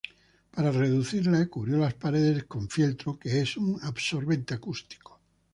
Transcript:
Para reducirla, cubrió las paredes con fieltro que es un absorbente acústico.